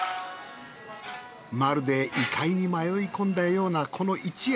まるで異界に迷い込んだようなこの一夜。